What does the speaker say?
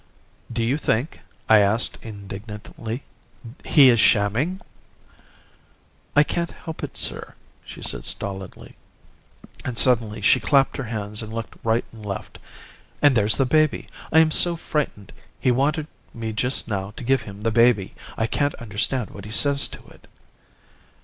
"'Do you think,' I asked indignantly, 'he is shamming?' "'I can't help it, sir,' she said stolidly. And suddenly she clapped her hands and looked right and left. 'And there's the baby. I am so frightened. He wanted me just now to give him the baby. I can't understand what he says to it.